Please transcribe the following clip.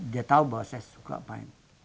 dia tahu bahwa saya suka main